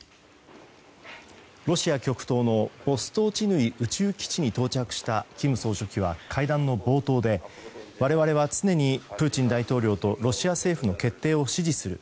ロシア極東のボストーチヌイ宇宙基地に到着した金総書記は会談の冒頭で我々は常にプーチン大統領とロシア政府の決定を支持する。